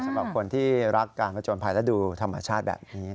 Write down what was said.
สำหรับคนที่รักการผจญภัยและดูธรรมชาติแบบนี้